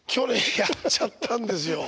去年やっちゃったんですよ。